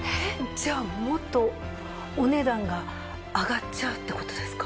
じゃあもっとお値段が上がっちゃうって事ですか？